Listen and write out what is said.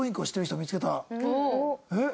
えっ？